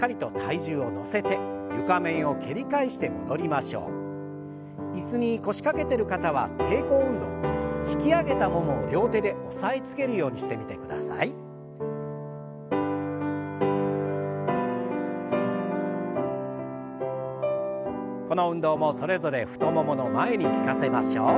この運動もそれぞれ太ももの前に効かせましょう。